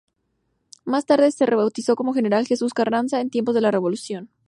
Más tarde se rebautizó como General Jesús Carranza, en tiempos de la revolución.